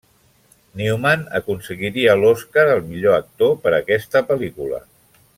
Newman aconseguiria l'Oscar al millor actor per aquesta pel·lícula.